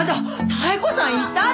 妙子さんいたの！？